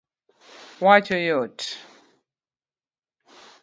wacho yot